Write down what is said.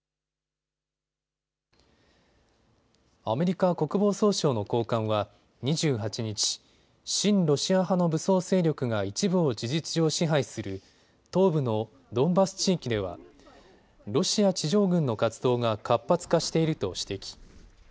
アメリカ国防総省の高官は２８日、親ロシア派の武装勢力が一部を事実上支配する東部のドンバス地域ではロシア地上軍の活動が活発化していると指摘。